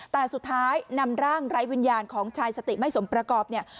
แต่สุดท้ายนำร่างไร้วิญญาณของชายสติไม่สมประกอบเนี่ย